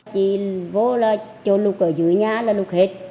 chị vô là cho lục ở dưới nhà là lục hết